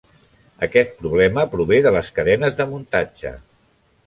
Aquest problema prové de les cadenes de muntatge.